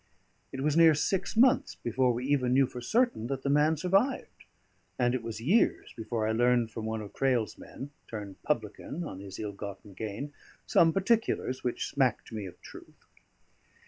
It was near six months before we even knew for certain that the man survived; and it was years before I learned from one of Crail's men, turned publican on his ill gotten gain, some particulars which smack to me of truth.